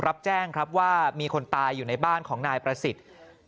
รับแจ้งครับว่ามีคนตายอยู่ในบ้านของนายประสิทธิ์